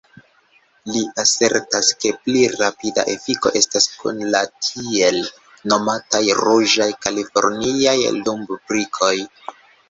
Li asertas, ke pli rapida efiko estas kun la tiel nomataj ruĝaj kaliforniaj lumbrikoj.